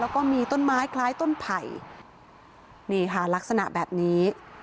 แล้วก็มีต้นไม้คล้ายต้นไผ่นี่ค่ะลักษณะแบบนี้